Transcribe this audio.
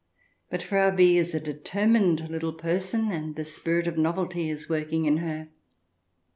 But Frau B is a deter mined little person, and the spirit of novelty is working in her.